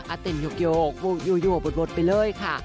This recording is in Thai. เต้นโยกอยู่บดไปเลยค่ะ